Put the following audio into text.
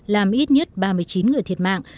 làm ít nhất ba mươi chín người thiệt mạng